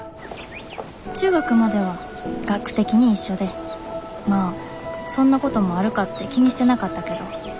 中学までは学区的に一緒でまあそんなこともあるかって気にしてなかったけど。